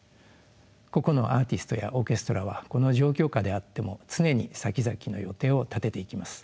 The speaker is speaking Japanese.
個々のアーティストやオーケストラはこの状況下であっても常にさきざきの予定を立てていきます。